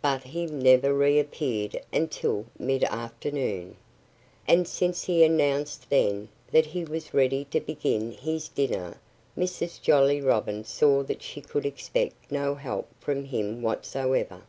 But he never reappeared until mid afternoon. And since he announced then that he was ready to begin his dinner Mrs. Jolly Robin saw that she could expect no help from him whatsoever.